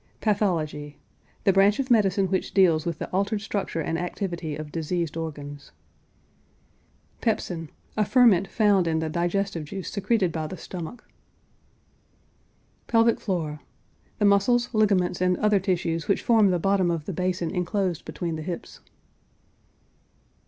PATHOLOGY. The branch of medicine which deals with the altered structure and activity of diseased organs. PEPSIN. A ferment found in the digestive juice secreted by the stomach. PELVIC FLOOR. The muscles, ligaments, and other tissues which form the bottom of the basin inclosed between the hips.